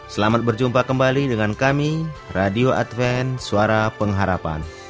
selamat berjumpa kembali dengan kami radio advent suara pengharapan